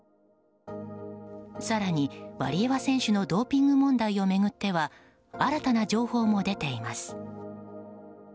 更にワリエワ選手のドーピング問題を巡っては新たな情報も出ています。